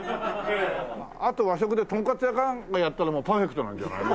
あと和食でとんかつ屋かなんかやったらパーフェクトなんじゃないの？